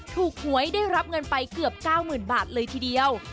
หวยได้รับเงินไปเกือบ๙๐๐๐บาทเลยทีเดียว